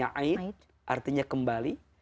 a'id artinya kembali